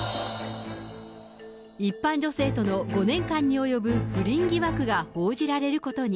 一般女性との５年間に及ぶ不倫疑惑が報じられることに。